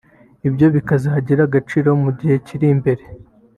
Ibyo bikazagira agaciro mu gihe kiri imbere